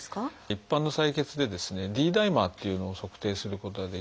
一般の採血でＤダイマーっていうのを測定することができます。